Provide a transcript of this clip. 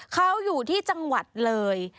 เขาอยู่ที่จังหวัดเลย